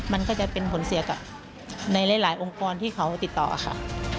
มันก็จะเป็นผลเสียกับในหลายองค์กรที่เขาติดต่อค่ะ